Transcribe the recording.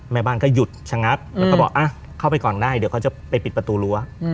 แม่บ้านก็หยุดชะงักแล้วก็บอกเข้าไปก่อนได้เดี๋ยวเขาจะไปปิดประตูรั้ว